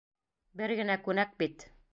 Бер генә күнәк бит!